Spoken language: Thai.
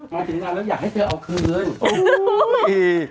มาถึงงานแล้วอยากให้เธอเอาคืนโอ้โห